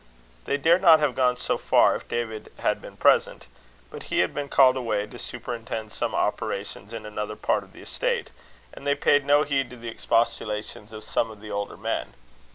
They dared not have gone so far if David had been present; but he had been called away to superintend some operations in another part of the estate; and they paid no heed to the expostulations of some of the other older men.